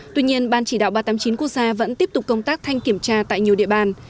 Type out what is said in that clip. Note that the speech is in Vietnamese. tuy nhiên ban chỉ đạo ba trăm tám mươi chín quốc gia vẫn tiếp tục công tác thanh kiểm tra tại nhiều địa bàn